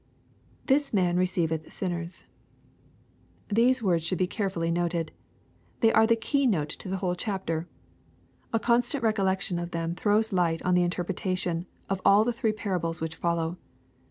[This man receiveth simcers.] These words should be carefully noted. They are the key note to the whole chapter. A constant recollection of them throws light on the interpretation of all the three parables which follow.